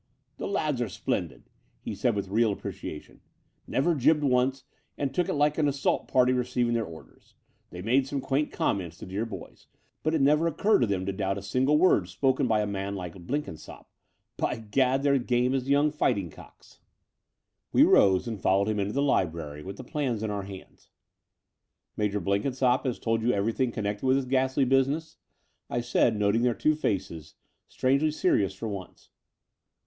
''The lads are splendid," he said with real appreciation — ''never jibbed once, and took it like an assault party receiving their orders. They made some quaint conunents, the dear boys, but it never occurred to them to doubt a single word spoken by a man like Blenkinsopp. By gad, they're as game as young fighting cocks." 270 The Door of the Unreal We rose and followed him into the library with the plans in our hands. "Major Blenkinsopp has told you everything connected with this ghastly business?" I said, noting their two faces, strangely serious for once.